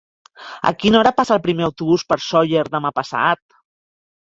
A quina hora passa el primer autobús per Sóller demà passat?